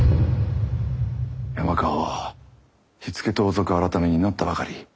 山川は火付盗賊改になったばかり。